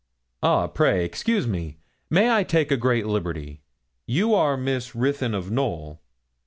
'Ah, pray excuse me, may I take a great liberty? you are Miss Ruthyn, of Knowl?